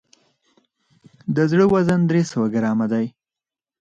د زړه وزن درې سوه ګرامه دی.